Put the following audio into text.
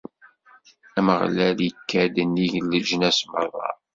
Ameɣlal ikka-d nnig n leǧnas merra.